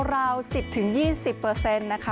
ราว๑๐๒๐นะคะ